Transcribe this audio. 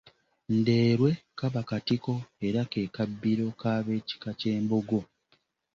Ndeerwe kaba katiko era ke kabbiro k’abe kika ky’Embogo.